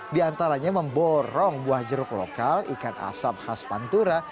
di antaranya memborong buah jeruk lokal ikan asap khas pantura